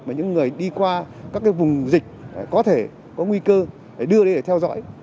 mà những người đi qua các cái vùng dịch có thể có nguy cơ để đưa đi để theo dõi